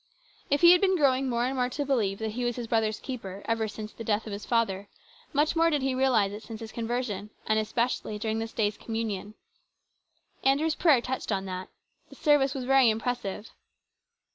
If he had been growing more and more to believe that he was his brother's keeper ever since the death of his father, much more did he realise it since his conversion, and, especially, during this day's communion. Andrew's prayer touched on that. The service was very impressive.